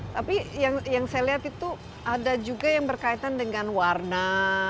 tapi yang saya lihat itu ada juga yang berkaitan dengan warna